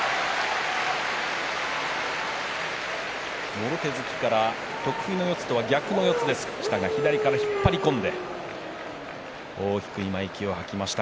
もろ手突きから得意の四つとは逆の四つでしたが左から引っ張り込んで大きく今、息を吐きました。